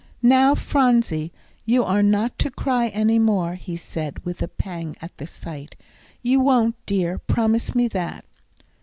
"Now, Phronsie, you are not to cry any more," he said, with a pang at the sight. "You won't, dear; promise me that."